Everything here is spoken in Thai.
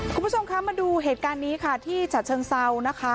คุณผู้ชมคะมาดูเหตุการณ์นี้ค่ะที่ฉะเชิงเซานะคะ